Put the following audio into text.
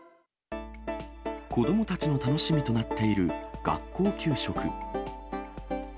子どもたちの楽しみとなっている学校給食。